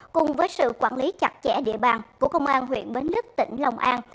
cùng với sự quản lý chặt chẽ địa bàn của công an huyện bến lức tỉnh long an